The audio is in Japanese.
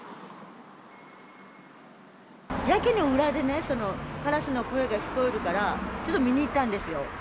やけに裏でね、カラスの声が聞こえるから、ちょっと見に行ったんですよ。